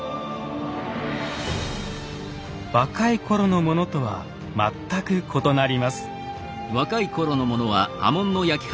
若いころのものとは全く異なります。